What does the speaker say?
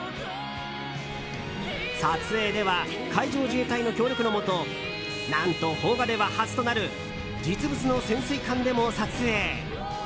撮影では海上自衛隊の協力のもと何と、邦画では初となる実物の潜水艦でも撮影。